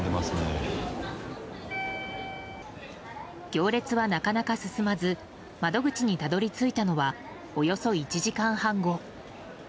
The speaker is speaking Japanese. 行列は、なかなか進まず窓口にたどり着いたのはおよそ１時間半後。